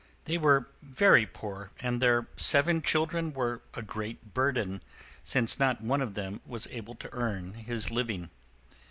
They were very poor, and their seven children were a great burden, since not one of them was able to earn his living.